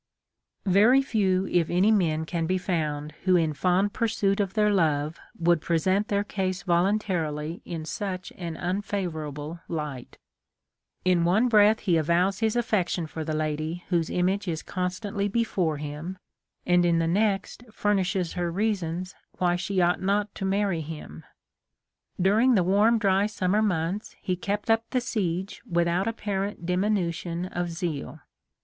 Very few if any men can be found who in fond pursuit of their love would present their case voluntarily in such an unfavorable light. In one 154 THE LIFE OF LINCOLN. breath he avows his affection for the lady whose image is constantly before him, and in the next furnishes her reasons why she ought not to marry him ! During the warm, dry summer months he kept up the siege without apparent diminution of zeal.